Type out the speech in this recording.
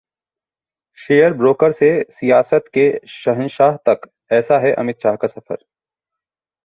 share broker से सियासत के शहंशाह तक, ऐसा है अमित शाह का सफर